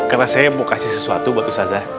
karena saya mau kasih sesuatu buat ustazah